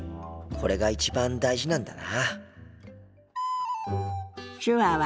これが一番大事なんだな。